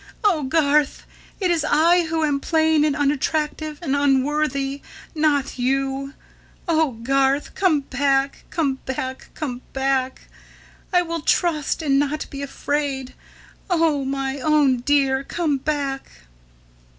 ... Oh, Garth! It is I who am plain and unattractive and unworthy, not you. Oh, Garth come back! come back! come back! ... I will trust and not be afraid ... Oh, my own Dear come back!"